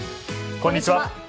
こんにちは。